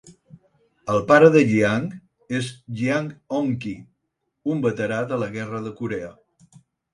El pare de Jiang és Jiang Hongqi, un veterà de la guerra de Corea.